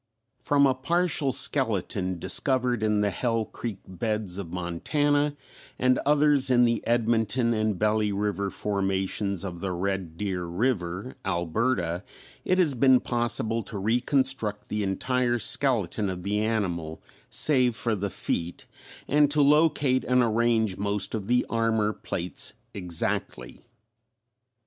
From a partial skeleton discovered in the Hell Creek beds of Montana, and others in the Edmonton and Belly River formations of the Red Deer River, Alberta, it has been possible to reconstruct the entire skeleton of the animal, save for the feet, and to locate and arrange most of the armor plates exactly.